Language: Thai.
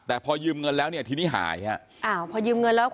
แต่พอยืมเงินแล้วที่นี่หาย